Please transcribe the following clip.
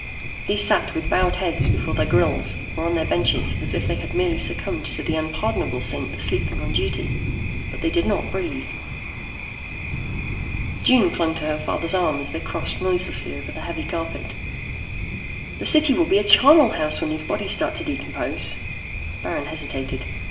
These sat with bowed heads before their grills or on their benches as if they had merely succumbed to the unpardonable sin of sleeping on duty. But they did not breathe. June clung to her father's arm as they crossed noiselessly over the heavy carpet. "The city will be a charnel house when these bodies start to decompose." Baron hesitated.